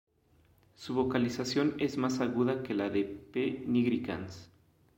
Su vocalización es más aguda que la de "P. nigricans".